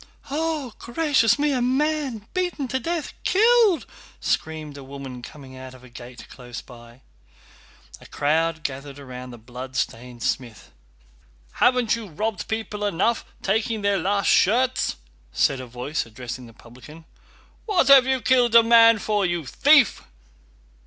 "Oh, gracious me, a man beaten to death—killed!..." screamed a woman coming out of a gate close by. A crowd gathered round the bloodstained smith. "Haven't you robbed people enough—taking their last shirts?" said a voice addressing the publican. "What have you killed a man for, you thief?"